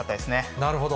なるほど。